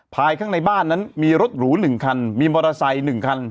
ภายข้างในบ้านนั้นมีรถหรูหนึ่งคันมีมอเตอร์ไซส์หนึ่งคัน